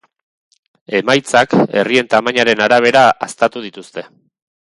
Emaitzak herrien tamainaren arabera haztatu dituzte.